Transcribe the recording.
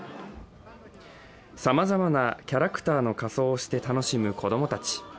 さまざまなキャラクターの仮装をして楽しむ子供たち。